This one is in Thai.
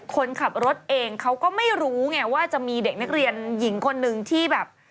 คนขับรถเองเขาก็ไม่รู้ไงว่าจะมีเด็กนักเรียนหญิงคนหนึ่งที่แบบ